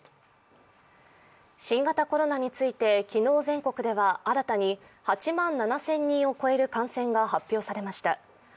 新型コロナについて昨日全国では新たに８万７０００人を超える感染が発表されました。